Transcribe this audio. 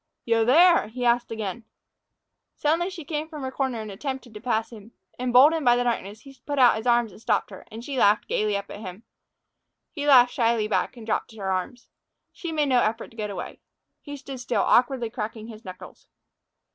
"Yo there?" he asked again. Suddenly she came from her corner and attempted to pass him. Emboldened by the darkness, he put out his arms and stopped her, and she laughed gaily up at him. He laughed shyly back and dropped her arms. She made no effort to get away. He stood still, awkwardly cracking his knuckles.